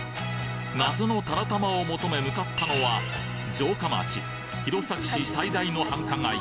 謎のたらたまを求め向かったのは城下町弘前市最大の繁華街